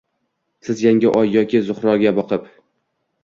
Siz yangi oy yoki Zuhroga boqib